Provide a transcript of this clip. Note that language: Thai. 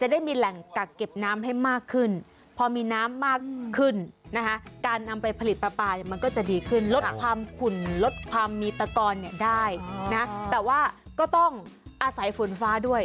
ได้นะแต่ว่าก็ต้องอาศัยฝนฟ้าด้วย